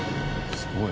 すごい。